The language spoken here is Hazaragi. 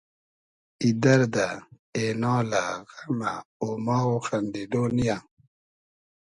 ای دئردۂ ، اېنالۂ ، غئمۂ ، اۉماغ و خئندیدۉ نییۂ